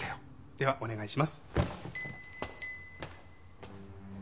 ではお願いします。